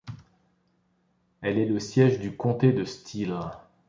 Elle est le siège du comté de Steele.